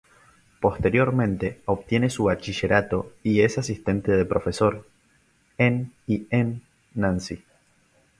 Posteriormente obtiene su Bachillerato, y es asistente de profesor en y en Nancy.